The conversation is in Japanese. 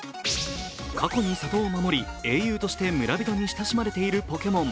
過去に里を守り英雄として村人に親しまれているポケモン。